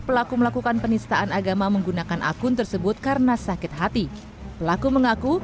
pelaku melakukan penistaan agama menggunakan akun tersebut karena sakit hati pelaku mengaku